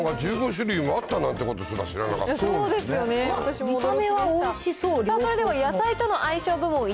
１５種類もあったなんてこと、知らなかった。